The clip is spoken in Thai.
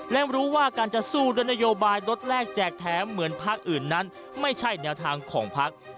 และรู้ว่าการจะสู้ด้วยนโยบายรถแรกแจกแถมเหมือนภาคอื่นนั้นไม่ใช่แนวทางของพัก